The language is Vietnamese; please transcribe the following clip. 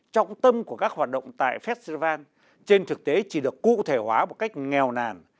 trọng tâm của các hoạt động tại festival trên thực tế chỉ được cụ thể hóa một cách nghèo nàn